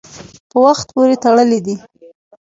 په وخت پورې تړلي دي.